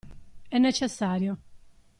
È necessario.